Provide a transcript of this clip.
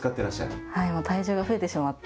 体重が増えてしまって。